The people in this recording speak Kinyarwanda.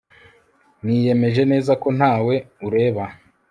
Niyemeje neza ko ntawe ureba